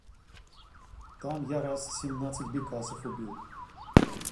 Там я раз семнадцать бекасов убил.